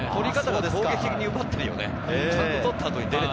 攻撃的に奪っているよね。